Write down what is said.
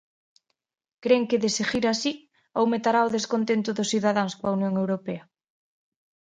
Cren que, de seguir así, aumentará o descontento dos cidadáns coa Unión Europea.